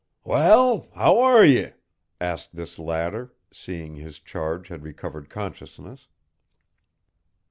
"Wal, how are ye?" asked this latter, seeing his charge had recovered consciousness.